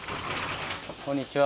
こんにちは。